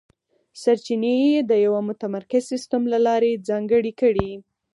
سرچینې یې د یوه متمرکز سیستم له لارې ځانګړې کړې.